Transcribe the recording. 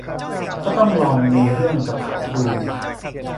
ก็ต้องลองมีเรื่องกับเขาดู